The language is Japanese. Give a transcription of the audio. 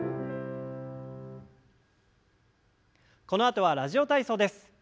このあとは「ラジオ体操」です。